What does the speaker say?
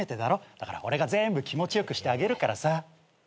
だから俺が全部気持ち良くしてあげるから。